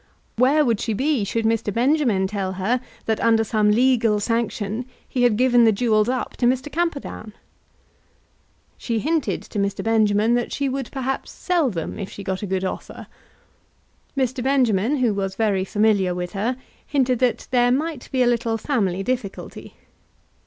Where would she be, should Mr. Benjamin tell her that under some legal sanction he had given the jewels up to Mr. Camperdown? She hinted to Mr. Benjamin that she would perhaps sell them if she got a good offer. Mr. Benjamin, who was very familiar with her, hinted that there might be a little family difficulty.